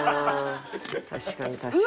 確かに確かに。